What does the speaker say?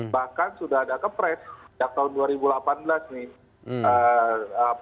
bahkan sudah ada kepres sejak tahun dua ribu delapan belas nih